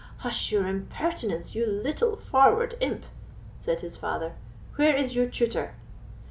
"Hush your impertinence, you little forward imp!" said his father; "where is your tutor?"